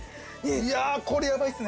いやこれヤバいっすね。